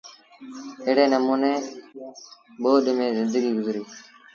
ايڙي نموٚني ٻوڏ ميݩ زندگيٚ گزريٚ۔